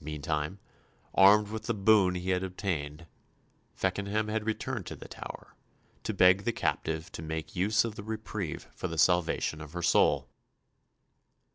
Meantime, armed with the boon he had obtained, Feckenham had returned to the Tower, to beg the captive to make use of the reprieve for the salvation of her soul.